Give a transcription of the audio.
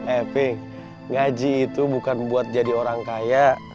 epi ngaji itu bukan buat jadi orang kaya